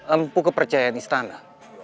empu kepercayaan istana